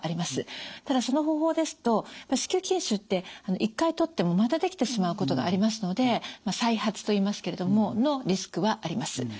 ただその方法ですと子宮筋腫って１回取ってもまたできてしまうことがありますので再発といいますけれどものリスクはあります。